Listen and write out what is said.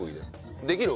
できる？